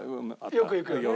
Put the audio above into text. よく行くよね？